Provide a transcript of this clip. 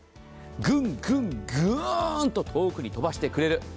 ぐんぐんぐーんと遠くに飛ばしてくれる。